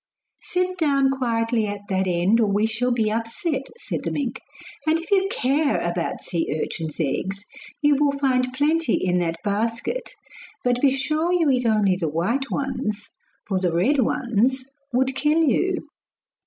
'Sit down quietly at that end or we shall be upset,' said the mink; 'and if you care about sea urchins' eggs, you will find plenty in that basket. But be sure you eat only the white ones, for the red ones would kill you.